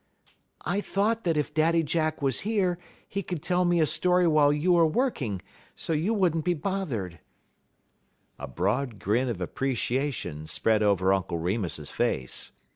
"I thought that if Daddy Jack was here he could tell me a story while you are working, so you would n't be bothered." A broad grin of appreciation spread over Uncle Remus's face.